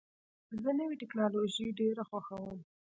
زه نوې ټکنالوژۍ ډېر خوښوم.